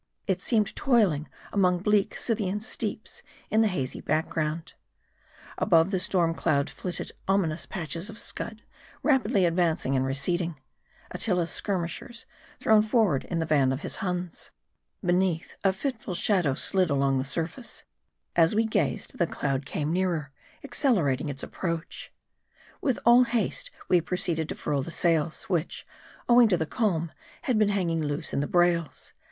It seemed toiling among bleak Scythian steeps in the hazy background. Above the storm cloud flitted ominous patches of scud, rapidly advancing and re ceding : Attila's skirmishers, thrown forward in the van of his Huns. Beneath, a fitful shadow slid along the sur face. As we gazed, the cloud came nearer ; accelerating its approach. With all haste we proceeded to furl the sails, which, owing to the calm, had been hanging loose in the brails.